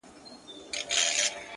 د گناهونو شاهدي به یې ویښتان ورکوي’